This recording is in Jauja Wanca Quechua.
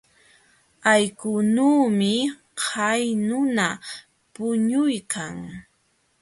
Allqunuumi hay nuna puñuykan.